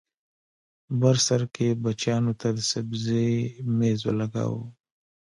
بر سر کې بچیانو ته د سبزۍ مېز ولګاوه